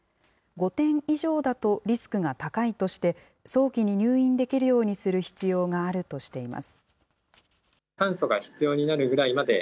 ５点以上だとリスクが高いとして、早期に入院できるようにする必要があるとしています。